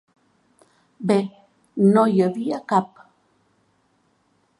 Bé - no hi havia cap.